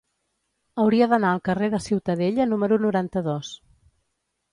Hauria d'anar al carrer de Ciutadella número noranta-dos.